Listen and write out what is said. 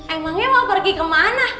emangnya mau pergi kemana